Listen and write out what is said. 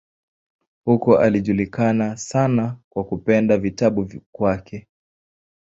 Huko alijulikana sana kwa kupenda vitabu kwake.